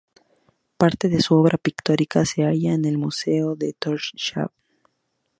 Parte de su obra pictórica se halla en el museo de Tórshavn.